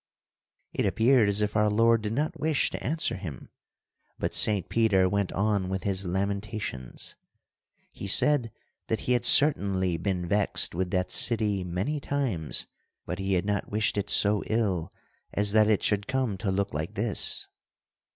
It appeared as if our Lord did not wish to answer him, but Saint Peter went on with his lamentations. He said that he had certainly been vexed with that city many times, but he had not wished it so ill as that it should come to look like this.